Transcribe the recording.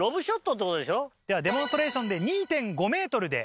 ではデモンストレーションで２．５ｍで。